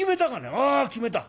「ああ決めた」。